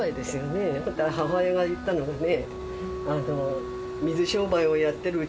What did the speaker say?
ほったら母親が言ったのはね。